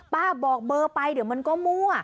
บอกเบอร์ไปเดี๋ยวมันก็มั่ว